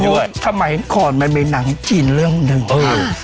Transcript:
สมัยก่อนมันมีหนังจีนเรื่องหนึ่งเออ